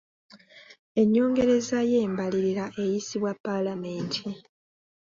Ennyongereza y'embalirira eyisibwa paalamenti.